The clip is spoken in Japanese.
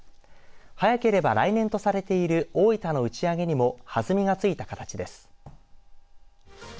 早ければ来年とされている大分の打ち上げにも弾みがついた形です。